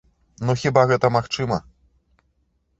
Ну хіба гэта магчыма?